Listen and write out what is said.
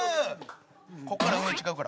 ここから運営違うから。